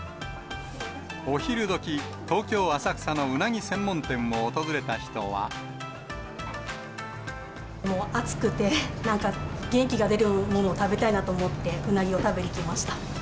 お昼どき、東京・浅草のうなぎ専もう暑くて、なんか元気が出るものを食べたいなと思って、うなぎを食べに来ま